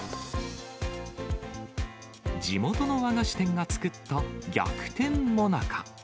地元の和菓子店が作った、逆転もなか。